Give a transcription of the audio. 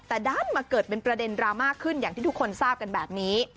แต่ด้านมาเกิดเป็นประเด็นดราม่าขึ้นอย่างที่ทุกคนทราบกันแบบนี้